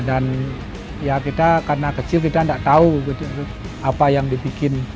dan ya kita karena kecil kita tidak tahu apa yang dibikin